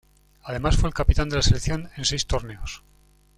Además fue el capitán de la selección en seis torneos.